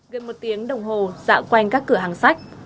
gần một tiếng đồng hồ dạo quanh các cửa hàng sách